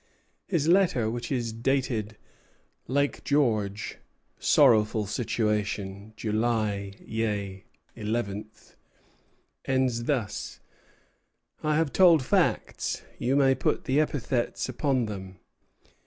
His letter, which is dated "Lake George (sorrowful situation), July ye 11th," ends thus: "I have told facts; you may put the epithets upon them.